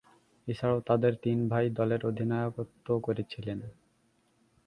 এছাড়াও তাদের তিন ভাই দলের অধিনায়কত্ব করেছিলেন।